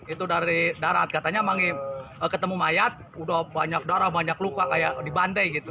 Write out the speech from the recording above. itu dari darat katanya ketemu mayat udah banyak darah banyak luka kayak di bandai gitu